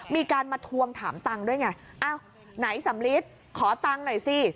มีการมาทวงถามตังค์ด้วยไงอ้าวไหนสำลิดขอตังค์หน่อยสิ